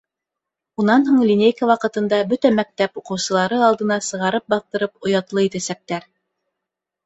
Унан һуң линейка ваҡытында бөтә мәктәп уҡыусылары алдына сығарып баҫтырып, оятлы итәсәктәр.